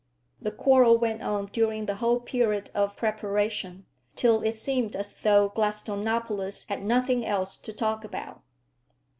The quarrel went on during the whole period of preparation, till it seemed as though Gladstonopolis had nothing else to talk about.